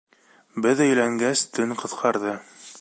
Беҙ өйләнгәс, төн ҡыҫҡарҙы.